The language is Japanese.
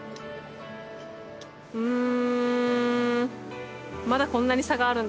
うん。